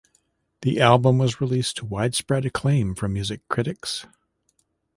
The album was released to widespread acclaim from music critics.